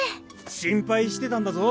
心配してたんだぞ。